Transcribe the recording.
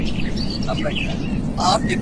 یوه بل ته یې کتل دواړه حیران سول.